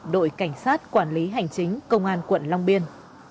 đội cảnh sát quản lý hành chính công an quận long biên